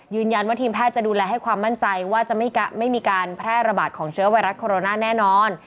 ยืนยันว่าทีมแพทย์จะดูแลให้ความมั่นใจว่าจะไม่มีการแพร่ระบาดของเชื้อไวรัสโคโรนาแน่นอน